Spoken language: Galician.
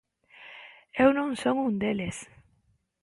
Eu non son un deles.